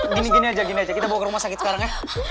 gini gini aja gini aja kita bawa ke rumah sakit sekarang ya